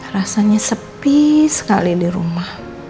rasanya sepi sekali di rumah